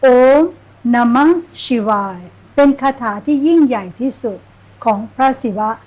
โอนามังชีวายเป็นคาถาที่ยิ่งใหญ่ที่สุดของพระศิวะ